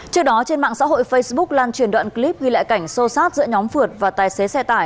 trước đó trên mạng xã hội facebook lan truyền đoạn clip ghi lại cảnh sô sát giữa nhóm phượt và tài xế xe tải